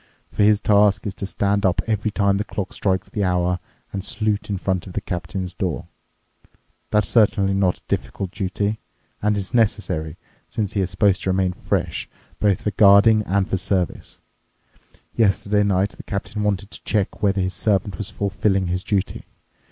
For his task is to stand up every time the clock strikes the hour and salute in front of the captain's door. That's certainly not a difficult duty—and it's necessary, since he is supposed to remain fresh both for guarding and for service. Yesterday night the captain wanted to check whether his servant was fulfilling his duty.